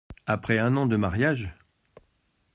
Après un an de mariage !